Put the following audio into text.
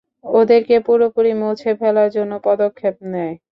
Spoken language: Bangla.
ওদেরকে পুরোপুরি মুছে ফেলার জন্য পদক্ষেপ নেয়।